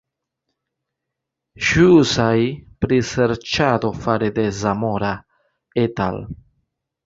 Ĵusaj priserĉado fare de Zamora "et al.